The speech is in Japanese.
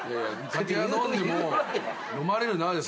「酒は飲んでも飲まれるな」です。